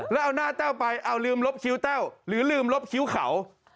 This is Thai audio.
แล้วเอาหน้าแต้วไปเอาลืมลบคิ้วแต้วหรือลืมลบคิ้วเขา